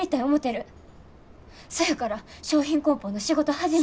そやから商品こん包の仕事始めて。